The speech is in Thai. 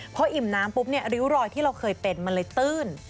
เพราะอิ่มน้ำปุ๊ปนี่อยู่รอยที่เราเคยเป็นมันเลยตื้น